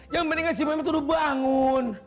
yang pentingnya si memet udah bangun